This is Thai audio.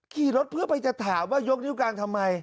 ขี่รถเพื่อไปจะถามว่ายกนิ้วการทำไม